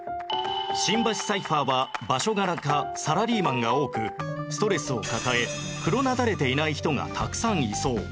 新橋サイファーは場所柄かサラリーマンが多くストレスを抱えクロナダれていない人がたくさんいそう